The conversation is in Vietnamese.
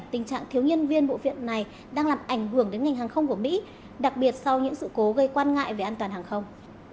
tình trạng thiếu nhân viên bộ viện này đang làm ảnh hưởng đến ngành hàng không của mỹ đặc biệt sau những sự cố gây quan ngại về an toàn hàng không